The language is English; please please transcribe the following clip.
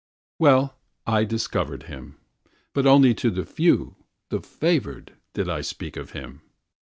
Well, I discovered him, but only to the few, the favoured, did I speak of him.